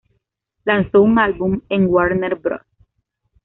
Lanzó un álbum en Warner Bros.